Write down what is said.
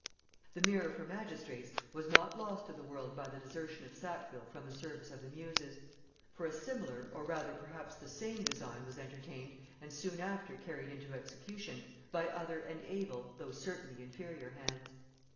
The "Mirror for Magistrates" was not lost to the world by the desertion of Sackville from the service of the muses; for a similar or rather perhaps the same design was entertained, and soon after carried into execution, by other and able though certainly inferior hands.